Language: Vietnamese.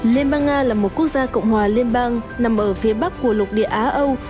liên bang nga là một quốc gia cộng hòa liên bang nằm ở phía bắc của lục địa á âu